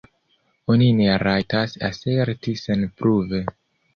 Oni ne rajtas aserti senpruve.